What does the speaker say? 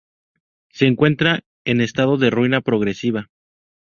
Se encuentra en estado de ruina progresiva.